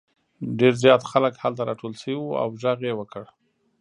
ډېر زیات خلک هلته راټول شوي وو او غږ یې وکړ.